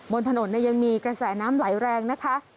บนถนนยังมีกระแสน้ำไหลแรงนะคะ